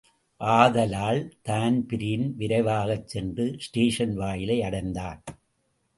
ஆதலால் தான்பிரீன் விரைவாகச் சென்று ஸ்டேஷன் வாயிலை அடைந்தான்.